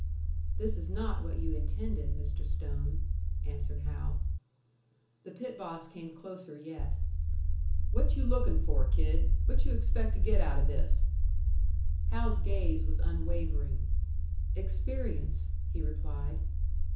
"This is not what you intended, Mr. Stone," answered Hal. The pit boss came closer yet. "What you looking for, kid? What you expect to get out of this?" Hal's gaze was unwavering. "Experience," he replied.